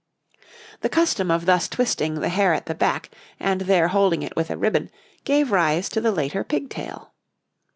The custom of thus twisting the hair at the back, and there holding it with a ribbon, gave rise to the later pigtail.